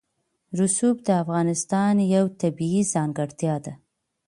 رسوب د افغانستان یوه طبیعي ځانګړتیا ده.